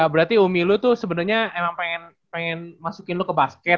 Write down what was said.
berarti umi lu tuh sebenarnya emang pengen masukin lu ke basket